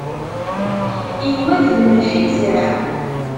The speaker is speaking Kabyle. Inwa d lemleḥ i yezreɛ.